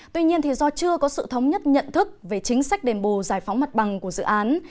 tuy nhiên do chưa có sự thống nhất nhận thức về chính sách đền bù giải phóng mặt bằng của dự án